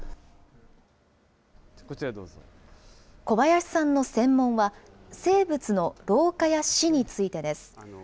小林さんの専門は、生物の老化や死についてです。